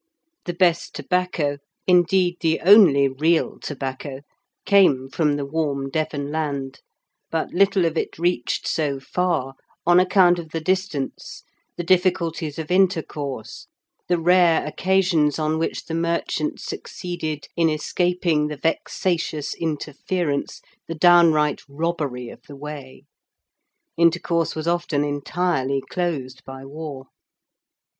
The best tobacco, indeed the only real tobacco, came from the warm Devon land, but little of it reached so far, on account of the distance, the difficulties of intercourse, the rare occasions on which the merchant succeeded in escaping the vexatious interference, the downright robbery of the way. Intercourse was often entirely closed by war.